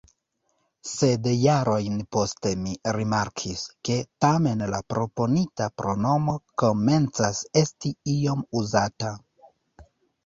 Sed jarojn poste mi rimarkis, ke tamen la proponita pronomo komencas esti iom uzata.